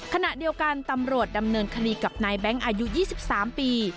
ขณะเดียวกันตำรวจดำเนินคดีกับนายแบงค์อายุ๒๓ปี